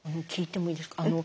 聞いてもいいですか。